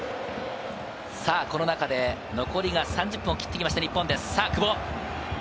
この中で残り３０分切ってきました、日本・久保。